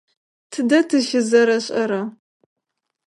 Тыдэ тыщызэрэшӏэра?